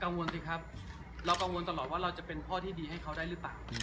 สิครับเรากังวลตลอดว่าเราจะเป็นพ่อที่ดีให้เขาได้หรือเปล่า